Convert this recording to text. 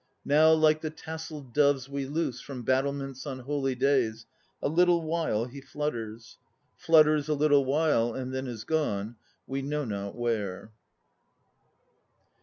Now like the tasselled doves we loose From battlements on holy days A little while he flutters; Flutters a little while and then is gone We know not where.